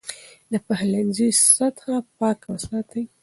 د پخلنځي سطحه پاکه وساتئ.